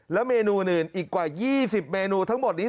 เมนูอื่นอีกกว่า๒๐เมนูทั้งหมดนี้